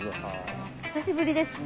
久しぶりですね。